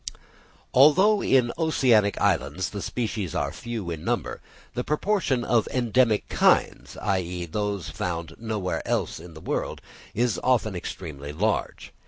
Although in oceanic islands the species are few in number, the proportion of endemic kinds (i.e. those found nowhere else in the world) is often extremely large.